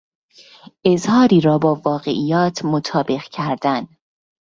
اظهاری را با واقعیات مطابق کردن